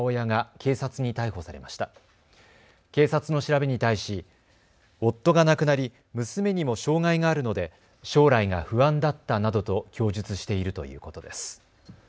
警察の調べに対し夫が亡くなり、娘にも障害があるので将来が不安だったなどと供述しているということです。